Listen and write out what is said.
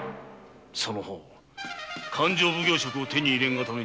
その方勘定奉行職を手に入れんがため